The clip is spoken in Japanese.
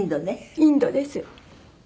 インドです。